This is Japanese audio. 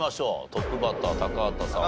トップバッター高畑さん